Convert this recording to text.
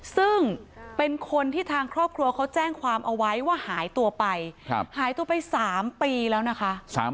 ซึ่งเป็นคนที่ทางครอบครัวเขาแจ้งความเอาไว้ว่าหายตัวไปหายตัวไป๓ปีแล้วนะคะ